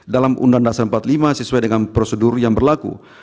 dalam undang undang dasar empat puluh lima sesuai dengan prosedur yang berlaku